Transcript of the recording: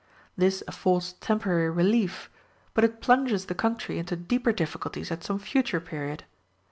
This affords temporary relief, but it plunges the country into deeper difficulties at some future period.